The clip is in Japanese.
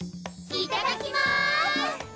いただきます！